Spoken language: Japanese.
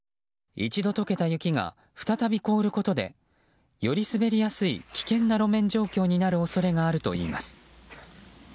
一度溶けた雪が再び凍ることでより滑りやすい危険な路面状況になる恐れがあるといいます。